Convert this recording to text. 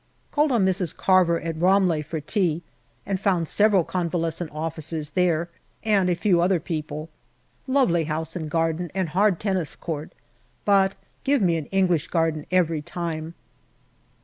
Called on Mrs. Carver at Ramleh for tea, and found several convalescent officers there and a few other people. Lovely house and garden and hard tennis court. But give me an English garden every time.